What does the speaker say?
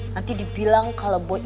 nanti dibilang kalau boy itu anak baik